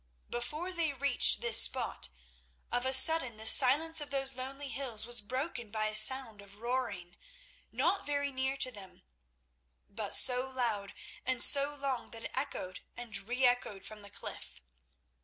Before they reached this spot of a sudden the silence of those lonely hills was broken by a sound of roaring, not very near to them, but so loud and so long that it echoed and reechoed from the cliff.